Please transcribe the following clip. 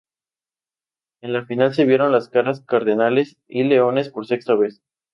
En la final se vieron las caras Cardenales y Leones por sexta vez.